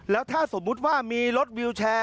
แล้วถ้าสมมุติว่ามีรถวิวแชร์